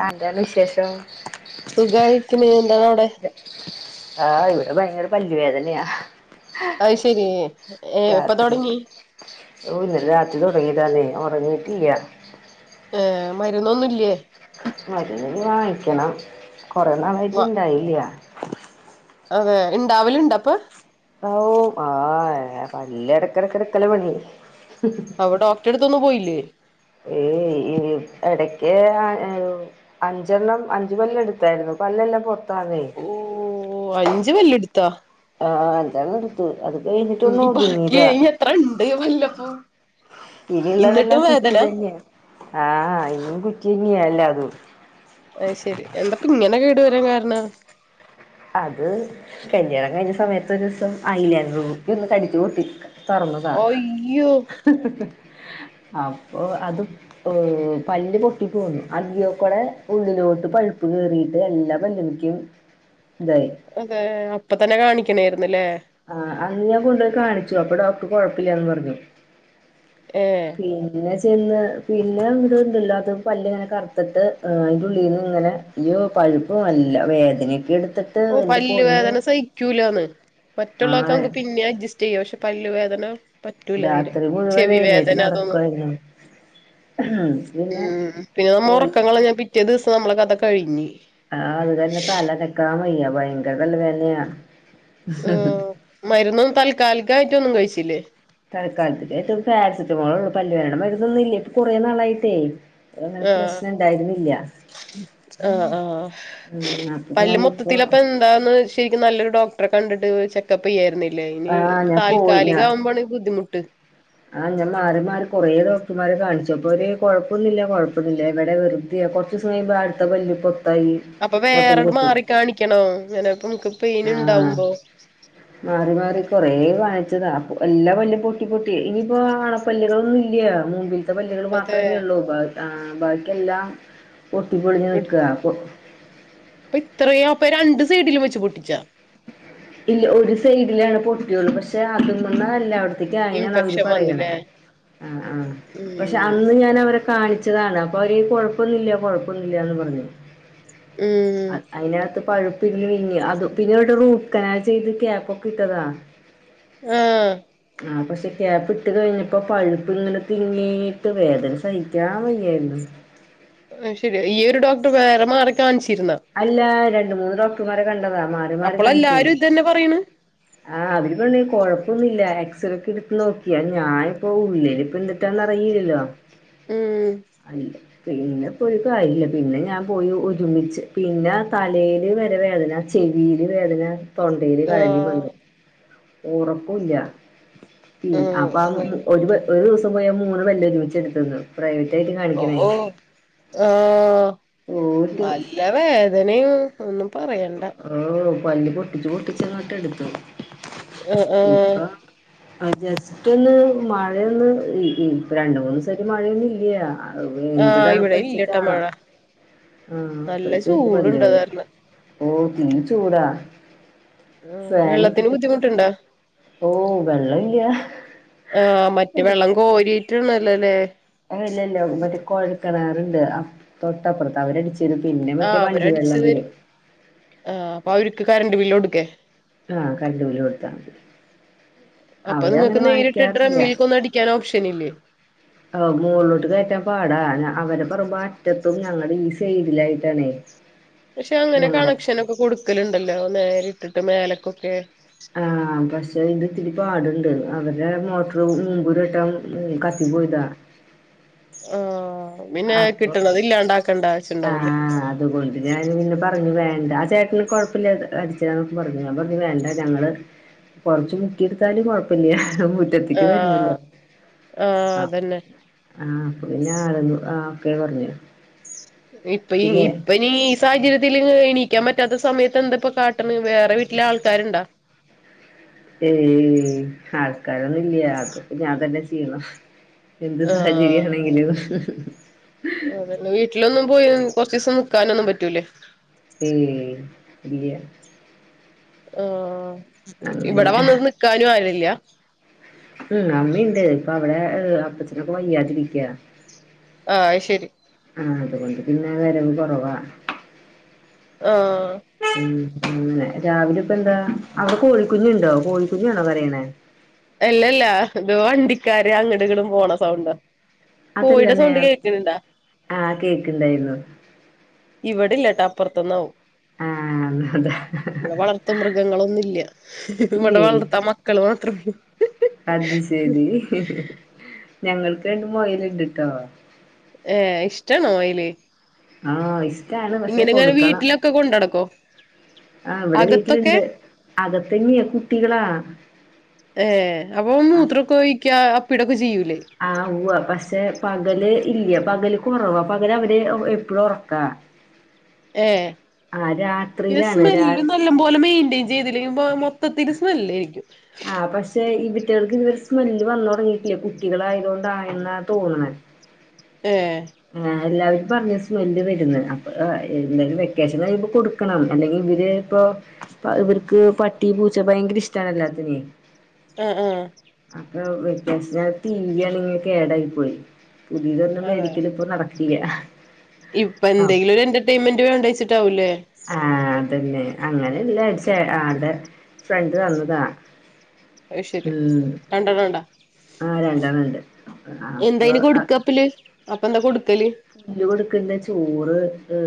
ആ എന്താണ് വിശേഷം സുഖമായിരിക്കുന്ന എന്താണ് അവിടെ ആഹ് ഇവിടെ ഭയങ്കര പല്ല് വേദനയാ അത് ശരി ഏ എപ്പ രാത്രി തൊടങ്ങി ഓഹ് ഇന്നലെ രാത്രി ഒറങ്ങീലാന്നെ ഒറങ്ങീട്ടില്ല ഏ മരുന്നൊന്നുംല്ലേ പിണം കൊറോണ വന്നിട്ട് വ- ഉണ്ടായി ഇല്ലിയോ അതെ ഉണ്ടാവലുണ്ടപ്പ ഓഹ് പല്ല് ഇടക്കിടക്കിടക്കല്ല് പണി അവിടെ ഡോക്ടടുത്ത് അടുത്തൊന്നും പോയില്ലേ ഏ ഇടക്ക് അഞ്ചെണ്ണം അഞ്ച പല്ല എടുത്തായിരുന്നു പല്ലല്ലാം പൊറ ഓ അഞ്ച് പല്ല് എടു കുത്ത ആഹ് അഞ്ചെണ്ണം എടുത്തൂ അത് കഴിഞ്ഞിട്ടൊന്നു ഇനി ബാക്കി ഒതുങ്ങീതാ ഇനി എത്ര ഇണ്ട് പല്ലപ്പോ ഇനി ഉള്ളതെല്ലാം ഇന്നിട്ടും കുറ്റി വേദന തന്നെയ ആഹ് ഇനിം കുറ്റി - ഇനി അല്ലാതെ [unintelligible] അത്ശരി എന്താ ഇപ്പൊ ഇങ്ങനെ കേട് വരാൻ കാരണം അത് കല്യാണം കഴിഞ്ഞ സമയത്ത് ഒരു ദിവസം ഐലനർ കുപ്പി ഒന്ന് കടിച്ചു പൊട്ടിച്ച - തോറന്നത അയ്യോ അപ്പൊ അത് പല്ല് പൊട്ടി പോന്നു അതിലെക്കൂടെ ഉള്ളിലോട്ട് പഴുപ്പ് കേറീട്ടു എല്ലാ പല്ലിക്കും- അതെ അപ്പൊ തന്നെ കാണിക്ക അങ്ങനെയായിരുന്നില്ലേ ആ അന്ന് ഞാൻ കൊണ്ടുപോയി കാണിച്ചു അപ്പൊ ഡോക്ടർ കൊഴപ്പില്ലന്ന് പറഞ്ഞു ഏ പിന്നെ ചെന്ന് പിന്നെ എന്ത്‌ ഉണ്ടല്ലോ അത് പല്ല് ഇങ്ങനെ കറുത്തിട്ട് ഏഹ് അതിൻ്റെ ഉള്ളിൽ നിന്ന് ഇങ്ങനെ ഇയ്യോ പഴുപ്പും നല്ല വേദനയൊക്കെ എടുത്ത്- ഓ പല്ല് വേദന സഹിക്കൂലന്ന് മറ്റുള്ളതൊക്കെ ആഹ് നമുക്ക് പിന്നെ അഡ്ജസ്റ്റ് ചെയ്യ പ ക്ഷെ പല്ലുവേദന പറ്റൂല തീരെ രാത്രി മുഴുവൻ ചെവി എഴുന്നേറ്റ് വേദന അതൊന്നും നടക്കുവായിരുന്നു പിന്നെ മ്മ് പിന്നെ നമ്മ പോയി ഒറക്കം കളഞ്ഞാ പിറ്റേ ദിവസം നമ്മള ക അ കഴിഞ്ഞ് ആ അത് തന്നെ തലനക്കാൻ വയ്യാ ഭയങ്കര തലവേദനയാ ആ മരുന്നും താൽക്കാലികായിട്ടൊന്ന് കഴി ഇലെ തൽക്കാലത്തില് ഏറ്റ പാരസിറ്റമോൾ ഒള്ളൂ പല്ലുവേദനയുടെ മരുന്നൊന്നുല്ലേ ഇപ്പൊ കുറേ നാളായിട്ടേ അങ്ങനെ ആഹ് പ്രശ്നം ഉണ്ടായിരുന്നില്ല ആഹ് ആഹ് ഉം അപ്പൊ പല്ല് ഞാനിപ്പോ മൊത്തത്തിലപ്പ എന്താന്ന് ശരിക്കും നല്ലൊരു ഡോക് ട്രെ കണ്ടി്ട്ട് ചെക്കപ്പെയ്യാര്ന്നേ ല്ല ഇനി ആഹ് ഇ ഞാൻ പോയി താൽക്കാലിക ഞാൻ ആവുമ്പോാണ് ബുദ്ധിമുട്ട് ആഹ് ഞാൻ മാറി മാറി കൊറേ ഡോക്ടർമാരെ കാണിച്ചു അപ്പൊര് കൊഴപ്പൊന്നില്ല കൊഴപ്പൊന്നില്ല എവടെ വെറുതെയാ കുറച്ചൂസം കഴിയുമ്പൊ അടുത്ത പല്ല് ഇപ്പൊ അപ്പൊ വേറെ മാറി കാണിക്കണോ ഇങ്ങനെ ഇപ്പ നമുക്ക് പെയിൻ ആഹ് ഇണ്ടാവുമ്പോ മാറി മാറി കൊറേ വാങ്ങിച്ചതാപ്പൊ എല്ലാ പല്ലും പൊട്ടി പൊട്ടിയ ഇനിയിപ്പോ അ ണപ്പല്ലുകളൊന്നുമല്ലോ മുമ്പിൽ പല്ലുകൾ അതെ മാത്രമേ ഉള്ളൂ ഉപാധി ആ ബാക്കിയെല്ലാം പൊട്ടി പൊളിഞ്ഞു നിക്കുക ഇപ്പ ഇത്രയും അപ്പൊ രണ്ട് സൈഡിലും വെച്ച് പൊട്ടിച്ചാ ഇല്ല ഒരു സൈഡിലാണ് പൊട്ടിയൊള്ളൂ പക്ഷെ അത് മ്മ ന്നെ തല്ല അവിട പ്പിക്കായേന് ന്നാ അവര് ഇൻഫെക്ഷൻ പറയ്ണെ വന്നില്ലേ ആ ആ പക്ഷെ ഉം അന്ന് ഞാൻ അവരെ കാണിച്ചതാണ് അപ്പൊ അവര് കൊഴപ്പൊന്നുല്ല കൊഴപ്പൊന്നില്ലന്ന് പറഞ്ഞു അ ഉം അയിനകത്ത് പഴുപ്പി [unintelligible] അതും പിന്നെ ഇവിടെ റൂട്ട് കനാൽ ചെയ്ത് ക്യാപ് ഒക്കെ ഇട്ടതാ ആഹ് ആ പക്ഷെ ക്യാപ്പ് ഇട്ട് കഴിഞ്ഞപ്പോ പഴുപ്പ് ഇങ്ങനെ തിങ്ങീട്ട് വേദന സഹിക്കാൻ വയ്യായിരുന്നു ശരി ഈയ ഒരു ഡോക്ടർ വേറെ മാറി കാണ അല്ല ര [unintelligible] മൂന്ന്ോക്ടർമാരെ കണ്ടതാണ് കാണഴ അപ്പളെല്ലാരും ഇതന്നെ പറയണ് [unintelligible] എക്‌സറെക്കെ ഇടുത്ത് നോക്കിയാ ഞാനിപ്പ ഉള്ളില് ഇപ്പ എന്തിട്ടാന്ന് അറിയില്ലല്ലോ ഉം അല്ല പിന്നെ പോയി കാര്യല്ല പിന്നെ ഞാൻ പോയി ഒരുമിച്ച് പിന്നെ തലയില് വരെ വേദന ചെവിയില് വേദന തൊണ്ടയില് കഴലിം ആഹ് വന്നു ഉറപ്പുല്ല പിടി അപ്പൊ ആഹ് ഒരു ഒരു ദിവസം മൂന്ന് പല്ല് ഒരുമിച്ച് എടുത്തതാ പ്രൈവറ്റ് ആയിട്ട് കാണിക്കണേ ഓ ആഹ ഓര് നല്ല വേ ദനയും ഒന്നും പറയണ്ട ഓഹ് പല്ല് പൊട്ടിച്ച് പൊട്ടിച്ചങ്ങൊട്ട് എടുത്തു. ഇപ്പൊ ആആ ജസ്റ്റ് ഒന്ന് മഴയൊന്ന് ഇപ്പ രണ്ട മൂന്ന് ദിവസമായി മഴയൊന്നും ഇല്ല അ എന്ത് ആഹ് ഇവിടെ ഇല്ലട്ടോ തണുപ്പടിച്ചട്ടാണോ മഴ നല്ല അത്രക്ക് ഉണ്ട് പല്ല് ചൂടുണ്ട് അത് വേദന. കാരണം ഓ തീ ചൂടാ ഉം ഫാൻ വെള്ളത്തിന് ഇട്ടിട്ട് ബുദ്ധിമുട്ടുണ്ടാ? ഓഹ് വെള്ളമില്ല ആഹ മറ്റേ വെള്ളം കോരി ല്ലല്ലേ അല്ലല്ലോ മറ്റേ കോഴക്കിണാറുണ്ട് തൊട്ടപ്പുറത്ത് അവരടിച്ച് തരും പിന്നെ ആ മറ്റേ വണ്ടി അവരടിച്ചു വെള്ളം തരും ആ അപ്പൊ അവർക്ക് കറൻ്റ് ബിൽ കൊടുക് ആ കറണ്ട്ബില്ല് കൊടുത്താ അപ്പൊ നിങ്ങക്ക് അവരങ്ങനെ നേരിട്ട് വാങ്ങിക്കാറില്ല ഡ്രമ്മിൽക്കൊന്നും അടിക്കാൻ ഓപ്ഷൻ ഇല്ലേ ആ മുകളിലോട്ട് കയറ്റാൻ പാടാ അവരെ പറമ്പ അറ്റത്തും ഞങ്ങൾ ഈ സൈഡിലായിട്ടാണേ പക്ഷെ അങ്ങനെ ഞങ്ങടെ കണക്ഷനൊക്കെ കൊടുക്കലുണ്ടല്ലോ നേരിട്ടിട്ട് മേലക്കൊക്കെ ആ പക്ഷെ ഇത് ഇത്തിരി പാടുണ്ട് അവരുടെ മോട്ടർ ഉം മുമ്പ് ഒരുവട്ടം ഉം കത്തി പോയതാ ആ അപ്പൊ ആ ആവശ്യണ്ടാവൂലേ അതുകൊണ്ട് ഞൻ പിന്നെ പറഞ്ഞു വേ വേണ്ട ആ ചേട്ടന് കുഴപ്പമില്ല അടിച്ചര പറഞ്ഞു ഞാൻ പറഞ്ഞു വേണ്ട ഞങ്ങൾ കുറച്ച് മുക്കിയെടുത്താലും കുഴപ്പല്ല്യ മുറ്റത്തിക്ക് വര്ന്നില്ല ആഹ് ആഹ് ആ അതന്നെ ആ പിന്നെ ആളന്നു ആ ഓക്കെ പറഞ്ഞു ഇപ്പ ഈ പിന്നെ ഇപ്പ നീ ഈ സാഹചര്യത്തിൽ എനി കിക്കാൻ പറ്റാത്ത സമയത്ത് എന്താ ഇപ്പ കാട്ടണ് വേറെ വീട്ടിലെ ആൾക്കാരുണ്ടാ ഏ ആൾക്കാരൊന്നും ഇല്ല അതൊ ഞാൻ തന്നെ ചെയ്യണം എന്ത് സാഹചര്യംമാണെങ്കിലും വീട്ടിൽ വീട്ടിലൊന്നും പോയി കൊറച്ച് ദിവസം നിക്കാന ഒന്നും പറ്റൂലേ ഏ ഇയ ഹ ഇവിടെ അങ്ങനെയാ വന്ന നിക്കാനും ആരില്ല അപ്പ ചക്കൈയാ ജ വിക്കയാ ആഹ് അത് ശരി ആഹ [inaudible] ആ വരവ് കുറവാ ആഹ ഉം അങ്ങെ രാവിലെ ഇപ്പ എന്താ അവിടെ കോഴിക്കുഞ്ഞുണ്ടോ കോഴിക്കുഞ്ഞാണോ പറയണേ അല്ലല്ലാ ഇത് വണ്ടിക്കാര് അങ്ങട ഇങ്ങും പോണ സൗണ്ടോ അതല്ല കോയിടെ സൗണ്ട് നേരത്തെ കേക്കണണ്ടാ ആഹ് കേക്ക്ണ്ടായിരുന്നു ഇവിടല്ലട്ടാ അപ്പുറത്ത് ഉത്ത നൗ ആഹ് അതാ ഇ വളർത്ത മൃഗങ്ങളൊന്നുമില്ല ഇവിടെ ഇല്ലേ വളർത്ത മക്കള് മാത്രള്ളൂ അത് ശരി ഞങ്ങൾക്ക്ണ്ട മൊൽ ഇണ്ടട്ടോ ഏ ഇഷ്ടണോ അയില് ആഹ ഇങ്ങനെ ഇങ്ങനെ വീട്ടിലൊക്കെ കൊണ്ടടക്കോ ആഹ് ഇവിടെ അകത്തൊക്കെ വീട്ടിലുണ്ട് അകത്തന്നെയ കുട്ടികളാ ഏർ അപ്പൊ മൂത്രൊക്കെ ഒഴിക്ക പിടു ചെയ്യും ആ ഉവ പക്ഷേ പ പകല് ഇല്ല പകല് കുറവ പകല് അവര് എപ്പഴും ഉറക്ക ഏ പിന്നെ രാ സ്മെല്ല് നല്ല പോലെ മെയിന്റെയിൻ ചെയ്തില്ലെങ്കി മൊത്തത്തിരുസ്മല്ലായിരിക്കും ആഹ പക്ഷെ ഇവിട്ടികൾക്ക് ഇതുവര് സ്മെല്ല് വന്ന തുടങ്ങിയിട്ടില്ലേ കുട്ടികള ആയത കൊണ്ട ആയെന്നി തോന്നന്നെ ഏ എല്ലാവരും പറഞ്ഞ സ്മെല്ല് വരുന്നത് അപ്പ എന്തായാലും വെക്കേഷൻ കഴിയുമ്പോൾ കൊടുക്കണം അല്ലെങ്കിൽ ഇവര് ഇപ്പോൾ ഇവർക്ക് പട്ടി പൂച്ച ഭയങ്കര ഇഷ്ടണല്ല തിനി ആഹ അ ടി വി ആണിങ്ങനെ കേടായി പോയി പുതിയതന്നെ അതെ മേഡിക്കൽ ഇപ്പൊ നടക്ക ഇപ്പൊ എന്തെങ്കിലും ഒരു എന്റർടൈയിൻമെന്റ് വേണ്ട വച്ചിട്ടാവൂല്ലേ ആഹ അതെെ പിന്നെ അങ്ങനെല്ലരിച്ച ആടെ ഫ്രണ്ട് തന്നതാ അ ശരി ഉം രണ്ടാടണ്ടാ ആ രണ്ടെണ്ണണ്ട് അപ്പൊ എന്തായിന് അ കൊടുക്കപ്പല് അപ്പൊ എന്താ കൊടു [unintelligible] കൊടുക്കണ്ട ചോറ് ആ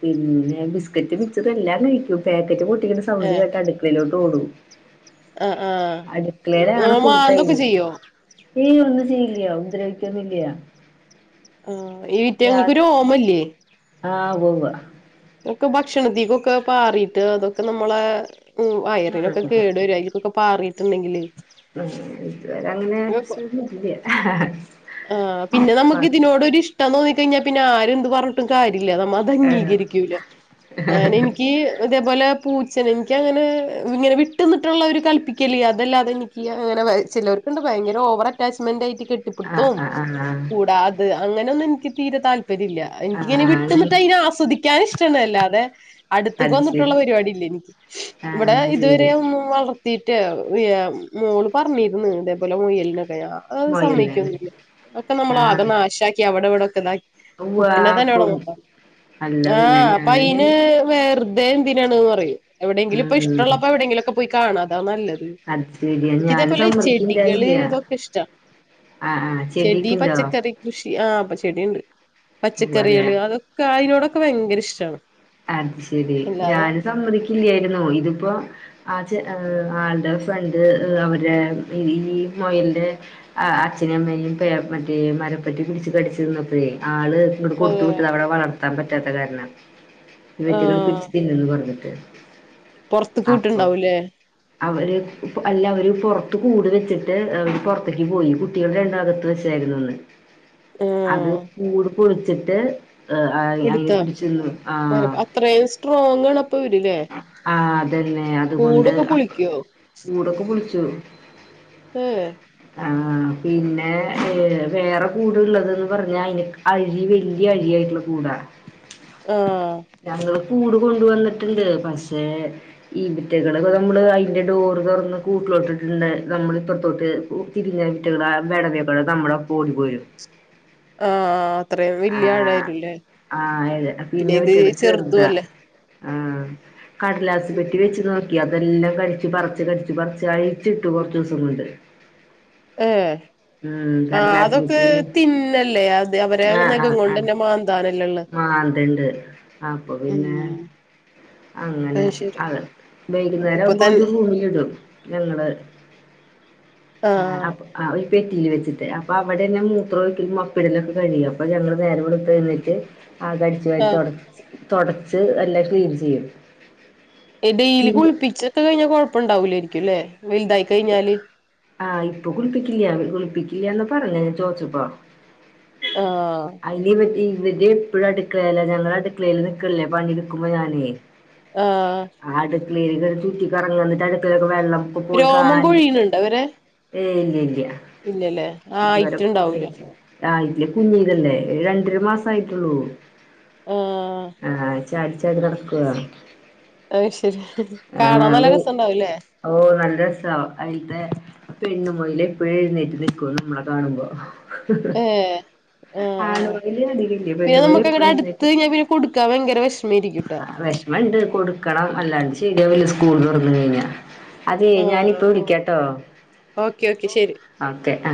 പിന്നെ ബിസ്ക്കറ്റ് മിച്ചർ എല്ലാം കഴിക്കും പാക്കറ്റ് കൊടു തിൻ്റെ ഏ സൗണ്ട് കേട്ടാ അടുക്കളേലോട്ടോടും ആ [unintelligible] ആ അടുക്കളേലാണ് മാന്തൊക്കെ ഫുൾടൈമും ചെയ്യോ ഹേ ഒന്നും ചേയ്യി ഹേ ഉപദ്രവിക്കൊന്നുഇല്യ ആഹ് ഈറ്റേങ്ങൾക്ക് രോമഇല്ലേ ആവുവ്വ് ഒക്കെ ഭക്ഷണത്തീക്കൊക്കെ പാറീട്ട് അതൊക്കെ നമ്മളെ ഉം വയറിനൊക്കെ ഉവ്വ ആ കേടുവര്യ അയിലിക്കൊക്കെ പാറി ട്ടണ്ടെങ്കിൽ [unintelligible] അങ്ങനെ [unintelligible] ഇല്ല്യ ഹാഹ്ഹ ഹാ പിന്നെ നമുക്കിതിനോടൊരു ഇഷ്ടം തോന്നി ഴിഞ്ഞാ പിന്നെ ആര് എന്ത് പറഞ്ഞിട്ടും കാര്യ ഇല്ല നമ്മാ അതു അംഗീകരിക്കൂല ഞാൻ എനിക്ക് ഇതേ പോലെ പൂച്ചനെനിക്കങ്ങനെ ഈവിട്ടുനിന്നിട്ടുള്ള ഒരുകൽപ്പിക്കല് അതല്ലാതെ എനിക്ക് ചിലവർക്ക്വണ്ട് ഭയകര ഓവർ അറ്റാച്ച്മെന്റായിട്ട് [unintelligible] ആഹ് [unintelligible] ആഹ് ആഹ് കൂടത് അങ്ങനൊന്നും ക്ക് തീരെ താൽ തര്ല്ല ആഹ് എനിക്കിങ്ങനെ ആഹ് വിട്ട്ന്നിട്ട് അതിനന് ആസ്വദിക്കാൻ ഇഷ്ടമാണ് അല്ലാതെ അടുത്ത്ക്ക് അത് ശരി വന്നിട്ടുള്ള പരിപാടില്ല ആഹ് ഇവിടെ അത് ഇതുവരെ ശരി ഒന്നും വളർ ത്തീട്ട് [unintelligible] മോള് പറഞ്ഞിരുന്ന് [unintelligible] മുയനൊക്കെയാ ആ ഒന്നും മൊയല്ലാണ് സമ്മയിക്കുന്നുല്ല ഒക്കെ നമ്മളാകെ ആഹ് നാശാക്കിയ അവിടവിടേക്കെന്തായി കുട്ടിനെ തന്നെയടെ ഉവ്വാക്കും നോക്കാം അല്ല പിന്നെ ആഹ് അപ്പൊ ഞാന് അയിന് വേറ തേന്തിനാണന്ന് പറയും എവിടെങ്കിലും ഇപ്പ ഉം ഇഷ്ട്ടള്ളപ്പ എവിടെങ്കിലൊക്കെ പോയി കാണാ [unintelligible] ന്നത് അത് ശരിയാ ഞാന് ക്കിതേപോലെ ചെടികള് സമ്മതിക്കിണ്ടായില്ല ഇതൊക്കെ ഇഷ്ടാ ആഹ് ആഹ് ചെടി ചെടിയൊക്കെണ്ടോ പച്ചക്കറി കൃഷി ആഹ് പക്ഷ ചെടിണ്ട് ഉവ്വാല്ലേ പച്ചക്കറികള് അതൊക്കെ ആ [unintelligible] [unintelligible] ഭയങ്കര ഇഷ്ടാണ് അത് ശെരി അല്ലാതെ ഞാൻ സമ്മതിക്കില്ലായിരുന്നു ഇത്പ്പോ ആ ആളുടെ ഫ്രണ്ട് അവരുടെ ഈ മൊയൽന്റെ അച്ഛനെ അമ്മനെയും മറ്റേ മരംപ്പട്ടി പിടിച്ച് കടിച്ചിരിന്നപ്പഴേ ആള് ഇങ്ങട് കൊടുത്തു ഏഹ് വിട്ടതാ അവിടെ വ നടത്താൻ പറ്റാത്ത കാരണ ഇവറ്റകൾ പിടിച്ചു തിന്നും പറഞ്ഞു [unintelligible] ക്ക പൊർത്ത്ക്ക് വിട്ട്ണ്ടാവുംല്ലേ അവര് അല്ല അവര് പുൊറത്ത് കൂട് വെച്ചിട്ട് പുറത്തേക്ക് പോയി കുട്ടികൾ രണ്ടാകത്ത് വെച്ചായിരുന്നു അന്ന് അത് ആഹ് കൂടു കുളിച്ചിട്ട് ആ അയ് അയി പിടിച്ച്ന്നു മരപ്പ അത്രയും സ്ട്രോങ് ആണപ്പ അവര്ല്ലേ ആ അതന്നെ കൂടൊക്കെ അതുകൊണ്ട് പുളിക്വോ കൂടൊക്കെ പൊളിച്ചു ഏ ആ പിന്നെ ഏ വേറെ കൂടുള്ളത് പറഞ്ഞാ അയിന് അഴി വല്യ അഴിയായിട്ടുള്ള കൂടാ ആഹ് [unintelligible] കൂട് കൊണ്ട്‌ വന്നിട്ടുണ്ട്. പക്ഷേ ഇവറ്റകള് നമ്മള് അയിന്റെ ഡോറ് തുറന്ന് കൂട്ടിലോട്ടിട്ട്‌ണ്ടെ നമ്മള് ഇപ്പറത്തോട്ട് തിരിഞ്ഞാ അയ്റ്റങ്ങള് അ [unintelligible] നമ്മളപ്പം ഓടി പോരും ആ അത്രം വല്യ ആഴാ [unintelligible] ല്ലേ ആഹ് അതെ പിന്നെ ഇത് ചെറുതും അല്ലേ ആഹ കടലാസ് പെട്ടി വെച്ചതോ അതെല്ലാം കടിച്ച് പറച്ച് കടിച്ച് പറച്ച് അഴിച്ചിട്ടു കൊർച്ചിസം കൊണ്ട് ഏ ഉം ആ കടലാസ് അതൊക്ക് പെട്ടിന്ന് തിന്നല്ലേ അത് അവൻ ആഹ് ആഹ് ആഹ മാന്ന്തണ്ട് ആ ആ അ മാന്ത് ണ്ട് [unintelligible] അപ്പൊ ഉം പിന്നെ അങ്ങനെ അത് അപ്പൊ വൈകുന്നേരാവുമ്പം ഒരു തന്നെ ഭുമി ഇടും ഞങ്ങള് ആഹ ആഹ് അപ്പ ആ [unintelligible] ബെഡിൽ വെച്ചിട്ട് അപ്പൊ അവിടെന്ന മൂത്രഒയിക്കലും മപ്പിടലും ഒക്കെ കഴിയും അപ്പൊ ഞങ്ങള് നേരം വെള്‌ത്തെഴുന്നേറ്റ് അകടിച്ചു വാരി ആഹ് തുടച് തുടച്ച് എല്ലാം ക്ലീനി ഇയോ എ ഡെയിലി കുളിപ്പിച്ചൊക്കെ കഴിഞ്ഞാൽ കുഴപ്പണ്ടാവൂലേനി ക്കില്ലെ വൽതായി കഴിഞ്ഞാല് ആഹ് ഇപ്പൊ കുളിപ്പിക്കില്ല്യാ കുളിപ്പിക്കില്ല്യാന്ന് പറഞ്ഞ ഞാൻ ചോദിച്ചപ്പോ ആ നിന്റെ ഇപ്പോഴും അടുക്കളല്ല ഞങ്ങളുടെ അടുക്കളയിയില് നിക്കണില്ല പണി എടുക്കുമ്പോ ഞാനേ ആ [unintelligible] ചുററി കറങ്ങി വന്നിട്ട് അടുക്കളൊക്കെ വെള്ളം രോമം കോഴീന്ണ്ടോ അവരെ ഉം ഉം [unintelligible] ഇല്ലല്ലേ ആ ആയിട്ടുണ്ടാവൂല ആ ഇട്ടലേ കുഞ്ഞീതല്ലേ രണ്ടര മാസം ആയിട്ടുള്ളൂ ആ ചാടിച്ചാടി നടക്കാ അ ശരി കാണാൻ നല്ല രസവുല്ലേ? രസ അതിലത്തെ പെണ്ണുമൊയല് എപ്പോഴും എഴുന്നേറ്റ് നി ക്കും നമ്മളെ കാണുമ്പോ. ഏർ ആഹ ആ ആണ് മൊയില് അധികില്ല പിന്നെ പെണ്ണു മൊയില് നമുക്ക് എപ്പഴും അങ്ങടെ അടുത്ത് എഴുന്നേറ്റ് പിന്നെ കൊടുക്കാ ഭയങ്കര വിഷമ ഇരിക്കുംട്ടാ ണം അല്ലാണ്ട് ശെരിയാവില്യ സ്കൂൾ തുറന്ന് കഴിഞ്ഞ. അതെ ആഹ് ഞാനിപ്പ വിളിക്കട്ടോ. ഓക്കെ ഓക്കെ ശരി ഒകെ അ